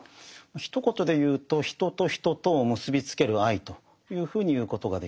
ひと言で言うと人と人とを結びつける愛というふうに言うことができます。